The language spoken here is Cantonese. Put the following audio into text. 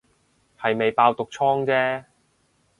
係未爆毒瘡姐